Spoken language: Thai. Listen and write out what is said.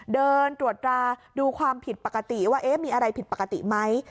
เดินตรวจราดูความผิดปกติว่ามีอะไรผิดปกติไหม